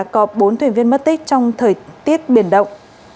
có bốn thuyền viên mất tích trong thời tiết biển động